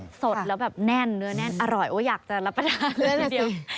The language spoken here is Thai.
สดแล้วแบบแน่นเนื้อแน่นอร่อยอยากจะรับประทานเร็ว